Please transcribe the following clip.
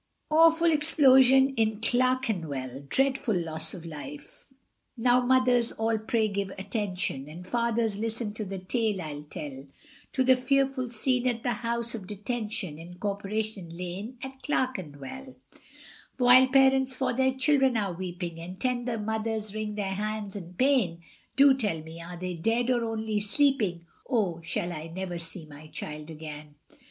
AWFUL EXPLOSION IN CLERKENWELL. DREADFUL LOSS OF LIFE. Now mothers all pray give attention, And fathers listen to the tale I'll tell, To the fearful scene at the House of Detention In Corporation Lane at Clerkenwell; While parents for their children are weeping, And tender mothers wring their hands in pain Do tell me, are they dead, or only sleeping, O shall I never see my child again.